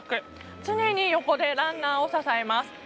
常に横でランナーを支えます。